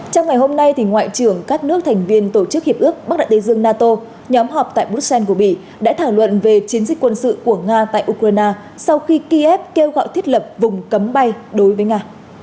trong ngày hôm nay ngoại trưởng các nước thành viên tổ chức hiệp ước bắc đại tây dương nato nhóm họp tại bruxelles của bỉ đã thảo luận về chiến dịch quân sự của nga tại ukraine sau khi kiev kêu gọi thiết lập vùng cấm bay đối với nga